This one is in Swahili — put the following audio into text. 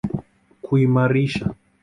kuimarisha